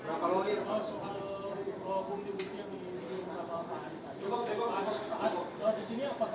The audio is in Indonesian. bukti bukti yang di sini